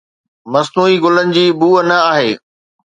مصنوعي گلن جي بوء نه آهي.